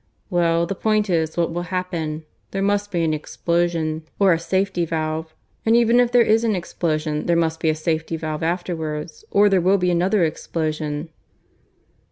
"Well, the point is, what will happen? There must be an explosion or a safety valve. And even if there is an explosion there must be a safety valve afterwards, or there will be another explosion."